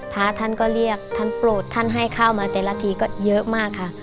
พระท่านก็เรียกท่านโปรดท่านให้ข้าวมาแต่ละทีก็เยอะมากค่ะ